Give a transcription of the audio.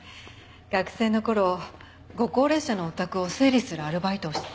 学生の頃ご高齢者のお宅を整理するアルバイトをしてたんです。